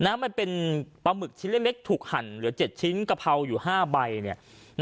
มันเป็นปลาหมึกชิ้นเล็กถูกหั่นเหลือ๗ชิ้นกะเพราอยู่๕ใบ